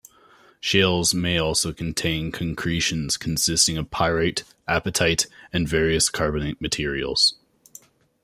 Shales may also contain concretions consisting of pyrite, apatite, or various carbonate minerals.